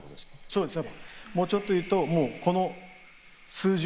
そうですか。